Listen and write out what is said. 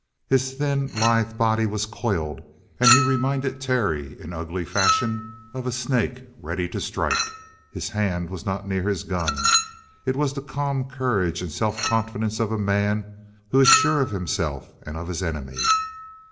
His thin, lithe body was coiled, and he reminded Terry in ugly fashion of a snake ready to strike. His hand was not near his gun. It was the calm courage and self confidence of a man who is sure of himself and of his enemy.